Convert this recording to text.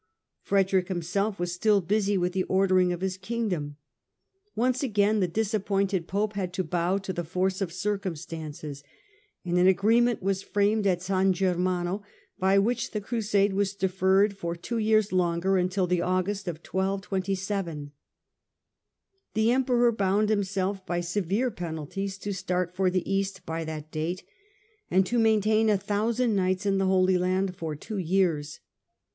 Frederick himself was still busy with the ordering of his Kingdom. Once again the disappointed Pope had to bow to the force of circum stances, and an agreement was framed at San Germano by which the Crusade was deferred for two years longer, until the August of 1227. The Emperor bound himself by severe penalties to start for the East by that date and to maintain a thousand knights in the Holy Land for two years.